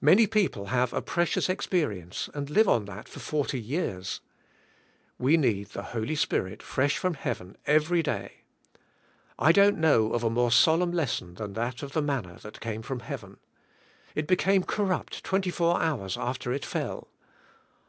Many people have a precious experience and live on that for forty years. We need the Holy Spirit fresh from heaven every day. I don't know of a more solemn lesson than that of the manna that came from heaven. It became corrupt twenty four hours after it fell.